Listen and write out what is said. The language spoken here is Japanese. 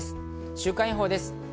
週間予報です。